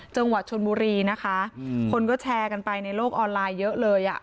จังหวัดชนบุรีนะคะคนก็แชร์กันไปในโลกออนไลน์เยอะเลยอ่ะ